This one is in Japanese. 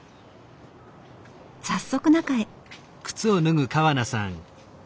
早速中へ。